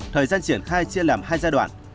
thời gian triển khai chia làm hai giai đoạn